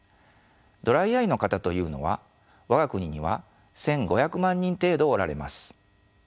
ドライアイの方というのは我が国には１，５００万人程度おられます。